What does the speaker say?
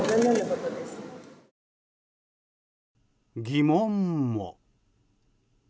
疑問も。